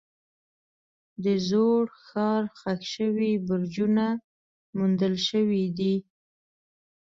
د زوړ ښار ښخ شوي برجونه موندل شوي دي.